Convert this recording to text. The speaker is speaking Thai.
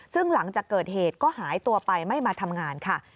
ซึ่งหลังจากเกิดเหตุก็หายตัวไปไม่มาทำงานค่ะ